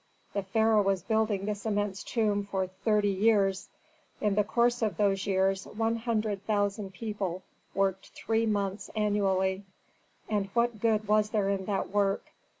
The pharaoh was building his immense tomb for thirty years; in the course of those years one hundred thousand people worked three months annually. And what good was there in that work?